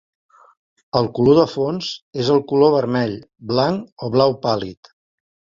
El color de fons és el color vermell, blanc o blau pàl·lid.